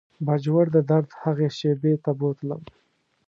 باجوړ د درد هغې شېبې ته بوتلم.